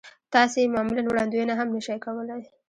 تاسې يې معمولاً وړاندوينه هم نه شئ کولای.